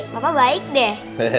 papa baik deh